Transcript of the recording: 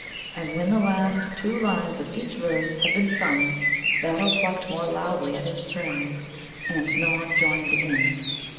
And when the last two lines of each verse had been sung, Battle plucked more loudly at his strings, and Nod joined in.